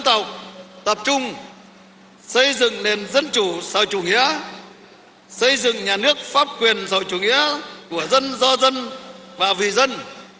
tập trung xây dựng nền dân chủ sau chủ nghĩa xây dựng nhà nước pháp quyền sau chủ nghĩa của dân do dân và vì dân